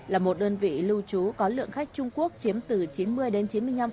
là một đơn vị lưu trú có lượng khách trung quốc chiếm từ chín mươi đến chín mươi năm